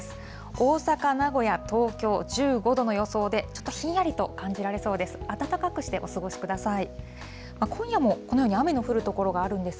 大阪、名古屋、東京１５度の予想で、ちょっとひんやりと感じられそうです。